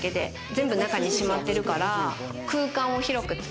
全部中にしまってるから。